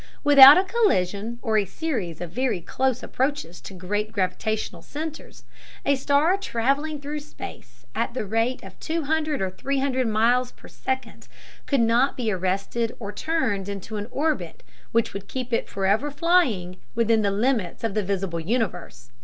Without a collision, or a series of very close approaches to great gravitational centers, a star traveling through space at the rate of two hundred or three hundred miles per second could not be arrested or turned into an orbit which would keep it forever flying within the limits of the visible universe.